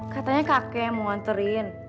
katanya kakek mau nganterin